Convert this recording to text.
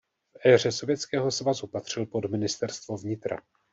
V éře Sovětského svazu patřil pod ministerstvo vnitra.